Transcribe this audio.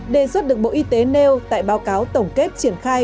đề xuất được bộ y tế nêu tại báo cáo tổng kết triển khai